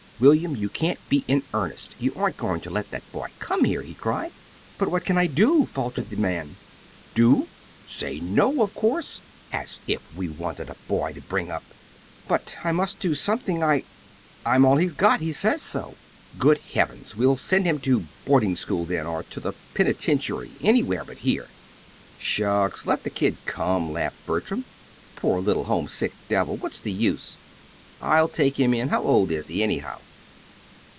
William, you can't be in earnest! You aren't going to let that boy come here," he cried. "But what can I do?" faltered the man. "Do? Say 'no,' of course. As if we wanted a boy to bring up!" "But I must do something. I I'm all he's got. He says so." "Good heavens! Well, send him to boarding school, then, or to the penitentiary; anywhere but here!" "Shucks! Let the kid come," laughed Bertram. "Poor little homesick devil! What's the use? I'll take him in. How old is he, anyhow?"